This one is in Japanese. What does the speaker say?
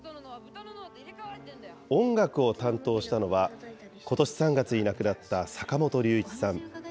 音楽を担当したのは、ことし３月に亡くなった坂本龍一さん。